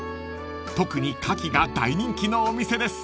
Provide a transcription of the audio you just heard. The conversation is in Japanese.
［特にカキが大人気のお店です］